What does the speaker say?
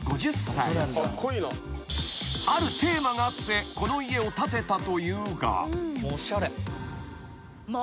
［あるテーマがあってこの家を建てたというが］